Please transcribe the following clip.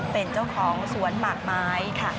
เป็นเจ้าของสวนหมากไม้ค่ะ